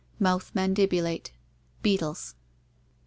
Mouth mandibulate. Beetles.